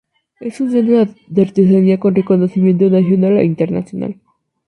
Es un centro de artesanía, con reconocimiento nacional e internacional.